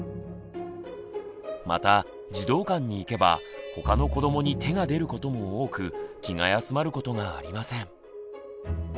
また児童館に行けばほかの子どもに手がでることも多く気が休まることがありません。